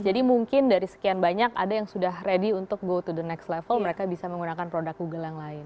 jadi mungkin dari sekian banyak ada yang sudah ready untuk go to the next level mereka bisa menggunakan produk google yang lain